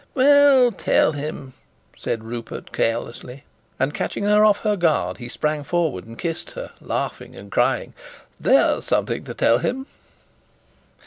"Well, tell him," said Rupert, carelessly; and, catching her off her guard, he sprang forward and kissed her, laughing, and crying, "There's something to tell him!"